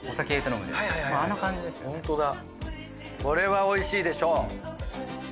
これはおいしいでしょう。